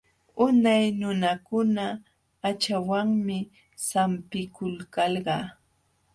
Unay nunakuna haćhawanmi sampikulkalqa.